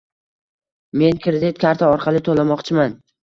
Men kredit karta orqali to'lamoqchiman.